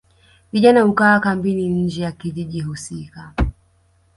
Vijana hukaa kambini nje ya kijiji husika